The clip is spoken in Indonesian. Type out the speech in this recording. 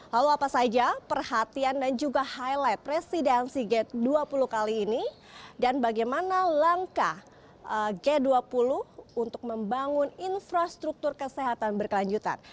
lalu apa saja perhatian dan juga highlight presidensi g dua puluh kali ini dan bagaimana langkah g dua puluh untuk membangun infrastruktur kesehatan berkelanjutan